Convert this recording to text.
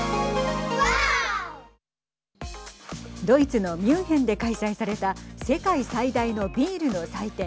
ドイツのミュンヘンで開催された世界最大のビールの祭典